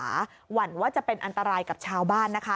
หวั่นว่าจะเป็นอันตรายกับชาวบ้านนะคะ